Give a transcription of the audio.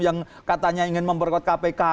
yang katanya ingin memperkuat kpk